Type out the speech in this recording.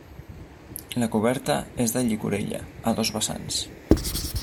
La coberta és de llicorella a dos vessants.